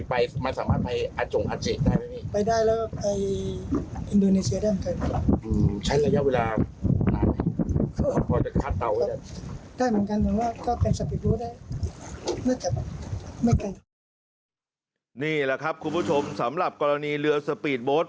นี่แหละครับคุณผู้ชมสำหรับกรณีเรือสปีดโบสต์